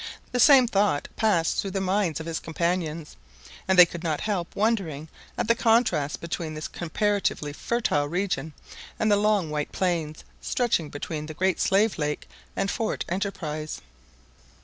The same thought passed through the minds of his companions, and they could not help wondering at the contrast between this comparatively fertile region, and the long white plains stretching between the Great Slave Lake and Fort Enterprise.